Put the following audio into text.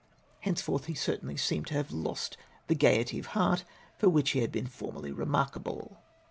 . Thenceforth he certainly seemed to have lost the gaiety of heart for which he heed been formerly remark able.